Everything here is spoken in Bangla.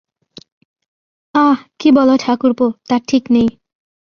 আঃ, কী বল ঠাকুরপো, তার ঠিক নেই।